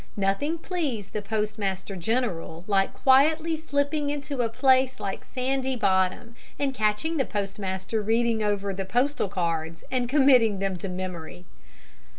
Nothing pleased the Postmaster General like quietly slipping into a place like Sandy Bottom and catching the postmaster reading over the postal cards and committing them to memory.